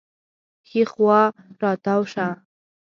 ښي خوا راتاو شه